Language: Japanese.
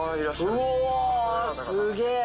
うわすげえ。